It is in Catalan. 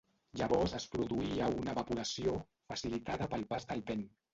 Llavors es produïa una evaporació, facilitada pel pas del vent.